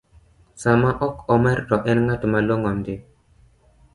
Sama ok omer to en ng’at malong’o ndi